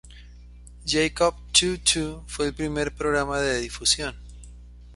Jacob Two-Two fue el primer programa de difusión.